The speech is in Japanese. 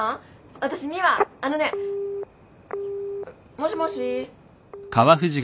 もしもーし。